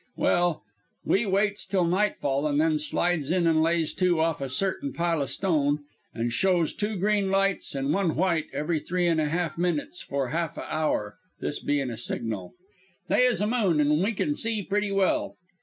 "Well, we waits till nightfall an' then slides in an' lays to off a certain pile o' stone, an' shows two green lights and one white every three and a half minutes for half a hour this being a signal. "They is a moon, an' we kin see pretty well.